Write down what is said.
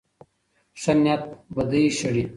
ښه نيت بدۍ شړي.